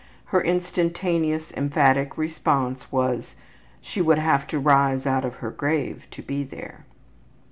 Her instantaneous, emphatic response was, ``She would have to rise out of her grave to be there.''